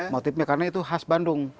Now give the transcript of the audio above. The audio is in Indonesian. motifnya karena itu khas bandung